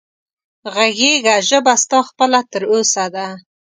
غږېږه ژبه ستا خپله تر اوسه ده